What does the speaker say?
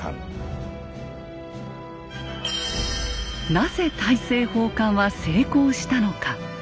なぜ大政奉還は成功したのか。